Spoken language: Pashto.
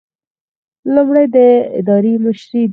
لومړی د ادارې مشري ده.